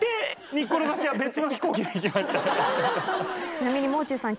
ちなみにもう中さん